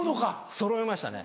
そろいましたね。